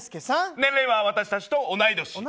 年齢は私たちと同い年。